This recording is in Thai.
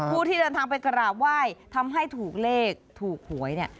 ผู้ที่เดินทางไปกราบไหว้ทำให้ถูกเลขถูกหวยเนี่ย